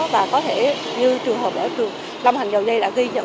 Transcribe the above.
và có thể như trường hợp ở lâm hành dầu dây đã ghi nhận